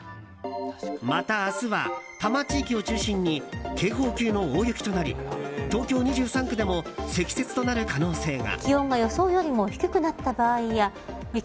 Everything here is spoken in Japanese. また、明日は多摩地域を中心に警報級の大雪となり東京２３区でも積雪となる可能性が。